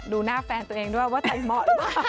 ดูหน้าแฟนตัวเองด้วยว่าแต่งเหมาะหรือเปล่า